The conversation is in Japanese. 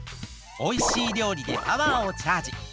おいしいりょうりでパワーをチャージ！